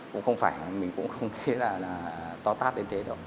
chứ mình cũng không thấy to tát đến thế đâu